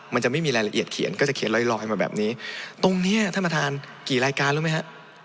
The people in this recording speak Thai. มันจะไม่มีรายละเอียดเขียนก็จะเขียนลอยลอยมาแบบนี้ตรงเนี้ยท่านประธานกี่รายการรู้ไหมฮะ